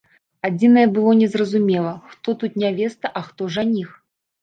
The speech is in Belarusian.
Адзінае, было незразумела, хто тут нявеста, а хто жаніх.